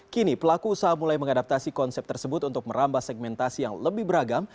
kini pelaku usaha mulai mengadaptasi konsep tersebut untuk merambah segmentasi yang lebih beragam